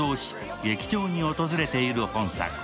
劇場に訪れている本作。